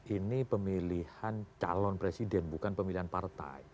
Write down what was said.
ini pemilihan calon presiden bukan pemilihan partai